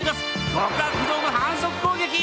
極悪非道の反則攻撃。